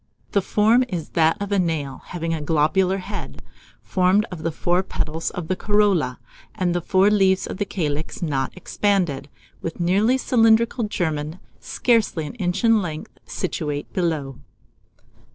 The form is that of a nail, having a globular head, formed of the four petals of the corolla, and four leaves of the calyx not expanded, with a nearly cylindrical germen, scarcely an inch in length, situate below.